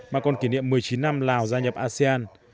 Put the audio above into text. mà còn kỷ niệm một mươi chín năm lào gia nhập asean